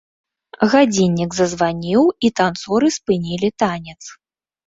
Гадзіннік зазваніў, і танцоры спынілі танец.